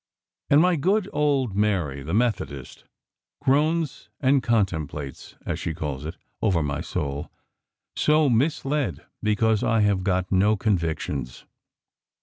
And my good old Mary, the Methodist, groans and contemplates, as she calls it, over my soul, so misled because I have got no convictions.